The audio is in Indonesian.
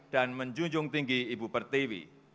dan menjunjung tinggi ibu pertiwi